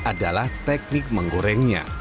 adalah teknik menggorengnya